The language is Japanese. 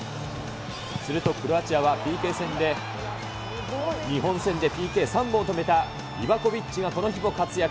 するとクロアチアはＰＫ戦で、日本戦でＰＫ３本を止めたリバコビッチがこの日も活躍。